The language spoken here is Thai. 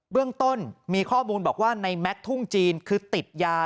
เรื่องต้นมีข้อมูลบอกว่าในแม็กซ์ทุ่งจีนคือติดยา